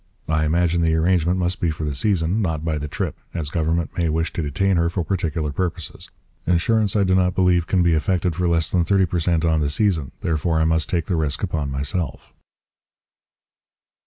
I imagine the arrangement must be for the Season, not by the Trip, as Government may wish to detain her for particular purposes. Ensurance I do not believe can be effected for less than 30 p. cent for the Season, therefore I must take the risque upon myself.